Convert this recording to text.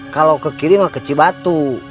kalau ke kiri mah ke cibatu